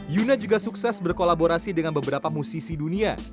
yuna juga sukses berkolaborasi dengan beberapa musisi dunia